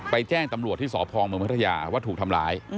ไปแจ้งตำรวจที่สพองไหมมธยาว่าถูกทำร้าย